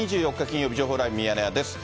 金曜日、情報ライブミヤネ屋です。